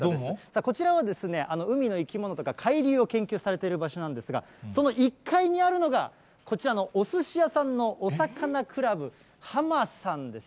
こちらは海の生き物とか海流を研究されている場所なんですが、その１階にあるのが、こちらのおすし屋さんのお魚倶楽部はまさんです。